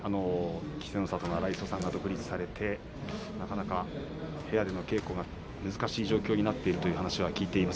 稀勢の里の荒磯さんが独立されてなかなか部屋での稽古が難しい状況になっているという話は聞いています。